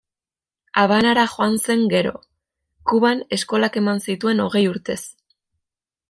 Habanara joan zen gero; Kuban eskolak eman zituen hogei urtez.